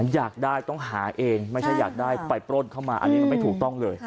อยากได้ต้องหาเองไม่ใช่อยากได้ไปปล้นเข้ามาอันนี้มันไม่ถูกต้องเลย